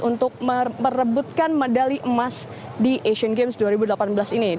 untuk merebutkan medali emas di asian games dua ribu delapan belas ini